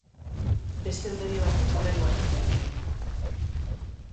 Beste ondorio batzuk hurrengoak izan ziren.